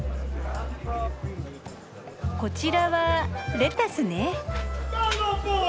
こちらはレタスね。